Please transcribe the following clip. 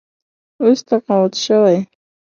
اوس تقاعد شوی.